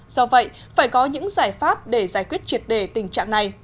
do vậy phải có những giải pháp để giải quyết triệt đề tình trạng này